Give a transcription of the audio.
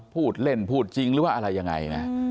พูดเล่นพูดจริงหรือว่าอะไรยังไงนะ